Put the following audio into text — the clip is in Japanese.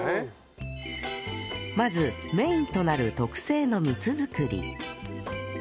まずメインとなる特製の蜜作り